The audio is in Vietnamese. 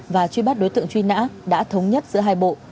và truy bắt đối tượng truy nã đã thống nhất giữa hai bộ